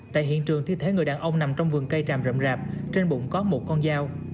tại hiện trường thi thể người đàn ông nằm trong vườn cây tràm rộ rạp trên bụng có một con dao